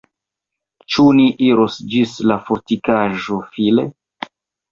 Ĉu ni iros ĝis la fortikaĵo File?